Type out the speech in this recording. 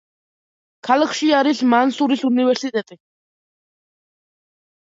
ქალაქში არის მანსურის უნივერსიტეტი.